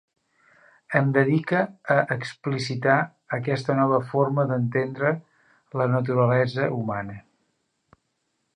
Em dedique a explicitar aquesta nova forma d'entendre la naturalesa humana.